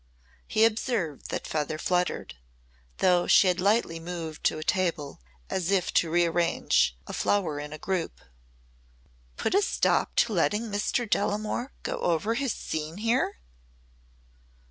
He observed that Feather fluttered though she had lightly moved to a table as if to rearrange a flower in a group. "Put a stop to letting Mr. Delamore go over his scene here?"